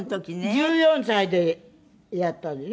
１４歳でやったんでね。